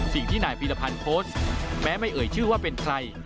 สิ่งที่นายพีรพันธ์โพสต์แม้ไม่เอ่ยชื่อว่าเป็นใคร